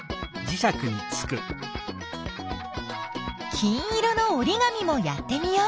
金色のおりがみもやってみよう。